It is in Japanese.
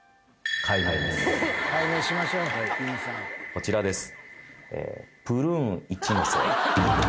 こちらです。